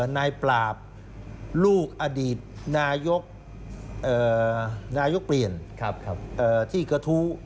นายปราบลูกอดีตนายกเปลี่ยนที่กระทู้